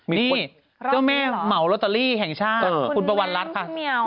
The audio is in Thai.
นี่เจ้าแม่เหมาลอตเตอรี่แห่งชาติคุณประวัณรัฐค่ะ